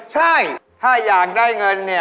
ใช่ถ้าอยากได้เงินเนี่ย